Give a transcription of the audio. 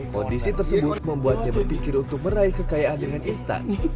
kondisi tersebut membuatnya berpikir untuk meraih kekayaan dengan instan